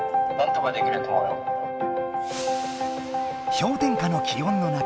氷点下の気温の中